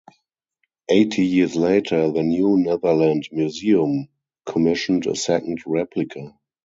Eighty years later, the New Netherland Museum commissioned a second replica.